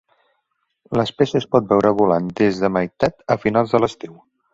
L'espècie es pot veure volant des de meitat a finals de l'estiu.